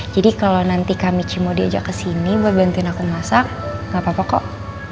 jadi kalau nanti kami cimo diajak ke sini bantu aku masak gak apa apa kok